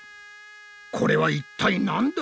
これは一体なんだ？